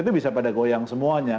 itu bisa pada goyang semuanya